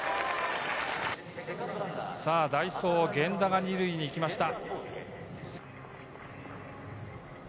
代走、源田が２塁へ行きました。